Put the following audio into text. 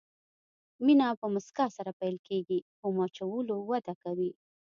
مینه په مسکا سره پیل کېږي، په مچولو وده کوي.